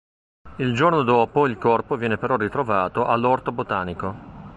Il giorno dopo il corpo viene però ritrovato all’orto botanico.